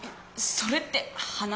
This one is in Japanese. それって花？